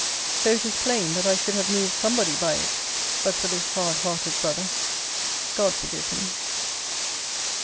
So, it is plain, that I should have moved somebody by it, but for this hard hearted brother God forgive him!